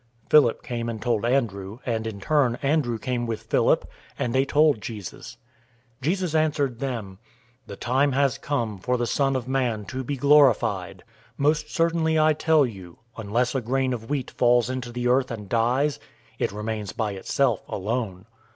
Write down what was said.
012:022 Philip came and told Andrew, and in turn, Andrew came with Philip, and they told Jesus. 012:023 Jesus answered them, "The time has come for the Son of Man to be glorified. 012:024 Most certainly I tell you, unless a grain of wheat falls into the earth and dies, it remains by itself alone.